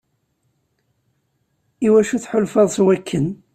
Iwacu tḥulfaḍ s wakken?